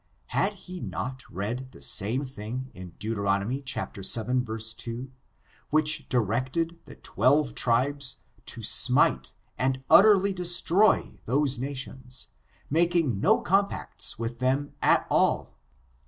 Had he not read the same thing in Dent, vii, 2, which di rected the twelve tribes to smite and utterly destroy those nations, making no compacts with them at all?